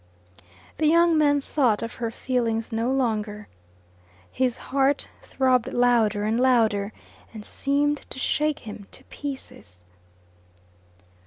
The young man thought of her feelings no longer. His heart throbbed louder and louder, and seemed to shake him to pieces.